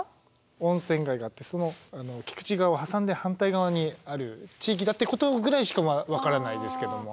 温泉街があってその菊池川を挟んで反対側にある地域だってことぐらいしか分からないですけどもはい。